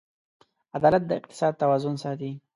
عدالت د اقتصاد توازن ساتي.